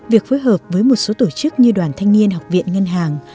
việc phối hợp với một số tổ chức như đoàn thanh niên học viện ngân hàng